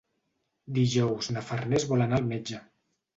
Dijous na Farners vol anar al metge.